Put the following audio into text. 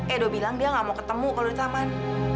edo bilang dia gak mau ketemu kalau di taman